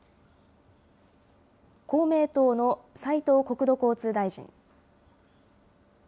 公明党の斉藤国土交通大臣。